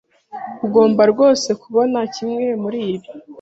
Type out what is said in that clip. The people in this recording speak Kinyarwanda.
Ugomba rwose kubona kimwe muribi.